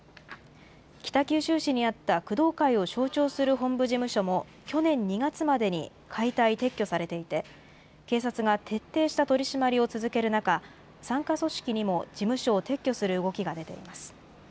北九州市にあった工藤会を象徴する本部事務所も去年２月までに解体・撤去されていて、警察が徹底した取締りを続ける中、傘下組織にも事務所を撤去する動きが出ています。